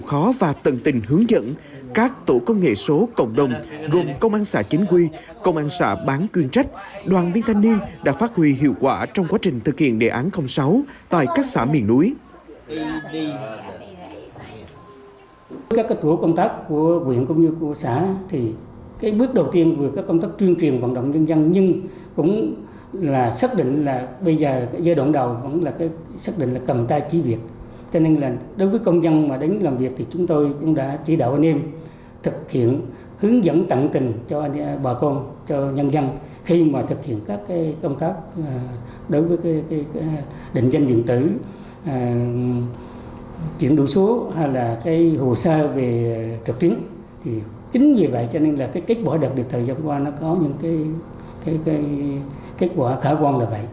khi mà thực hiện các công tác đối với định danh điện tử chuyển đủ số hay là hồ sơ về trực tuyến thì chính vì vậy cho nên là kết quả đặc biệt thời gian qua nó có những kết quả khả quan là vậy